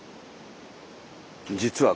実は。